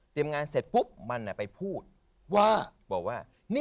เตรียมงานเสร็จปุ๊บมันน่ะไปพูดว่า